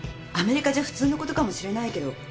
アメリカじゃ普通のことかもしれないけど。